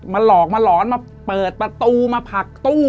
มาหลอกมาหลอนมาเปิดประตูมาผักตู้อะไรอย่างนี้